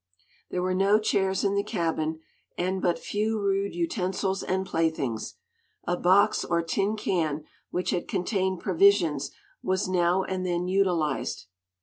There were no chairs in the cabin, and but few rude utensils and playthings. A box or tin can, which had contained provisions, was now and then utilized.